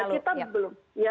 kita sepuluh hari yang lalu